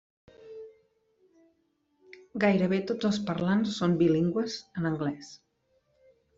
Gairebé tots els parlants són bilingües en anglès.